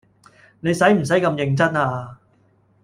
你洗唔洗咁認真啊？